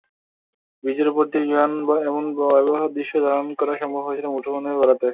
ব্রিজের ওপর দিয়ে বিমানএমন ভয়াবহ দৃশ্য ধারণ করা সম্ভব হয়েছিল মুঠোফোনের বরাতে।